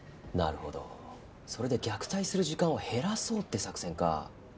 なるほどそれで虐待する時間を減らそうって作戦か。